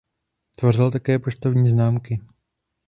Tvořil také poštovní známky.